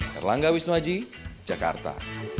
terlangga wisnuaji jakarta